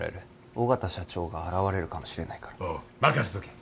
緒方社長が現れるかもしれないからおお任せとけ！